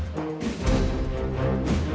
longe hijau itu